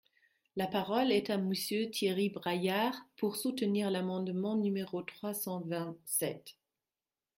La parole est à Monsieur Thierry Braillard, pour soutenir l’amendement numéro trois cent vingt-sept.